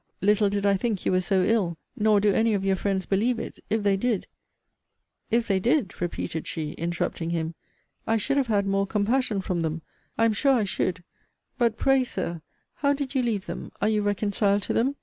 Little did I think you were so ill; nor do any of your friends believe it. If they did If they did, repeated she, interrupting him, I should have had more compassion from them. I am sure I should But pray, Sir, how did you leave them? Are you reconciled to them?